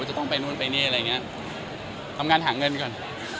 จะต้องไปนู่นไปนี่อะไรอย่างเงี้ยทำงานหาเงินก่อน